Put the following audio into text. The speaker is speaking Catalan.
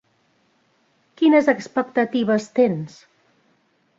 Quines expectatives tens?